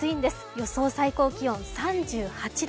予想最高気温３８度。